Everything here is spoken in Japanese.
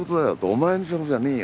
お前の仕事じゃねえよって。